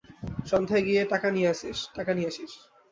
সন্ধ্যায় গিয়ে টাকা নিয়ে আছিস।